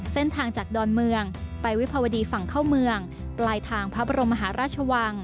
๑เส้นทางจากดอนเมืองไปวิภวดีฝั่งเข้าเมืองปลายทางพมชว